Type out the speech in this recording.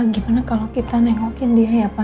gimana kalau kita nengokin dia ya pak